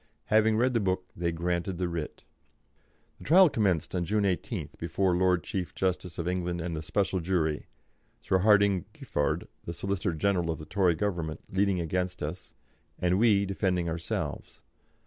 Having read the book they granted the writ. The trial commenced on June 18th before the Lord Chief Justice of England and a special jury, Sir Hardinge Giffard, the Solicitor General of the Tory Government, leading against us, and we defending ourselves.